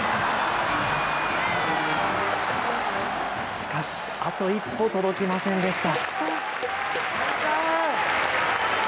しかしあと一歩届きませんでした。